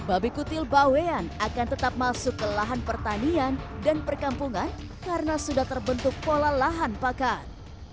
babi kutil bawean akan tetap masuk ke lahan pertanian dan perkampungan karena sudah terbentuk pola lahan pakan